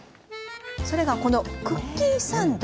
それが、このクッキーサンド。